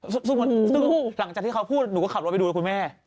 ซึ่งหลังจากที่เขาพูดหนูก็ขับรถไปดูนะคุณแม่